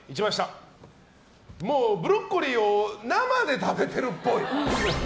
もうブロッコリーを生で食べてるっぽい。